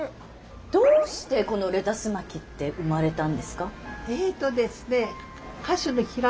どうしてこのレタス巻って生まれたんですか？